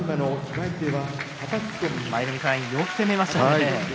舞の海さん、よく攻めましたね。